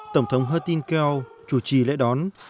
tổng thống hertin keo chủ trì lễ đón